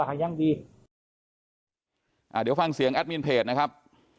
เดี๋ยวฟังเสียงแอดมินเพจนะครับ